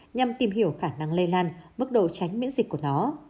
nhằm tìm hiểu khả năng lây lan mức độ tránh miễn dịch của nó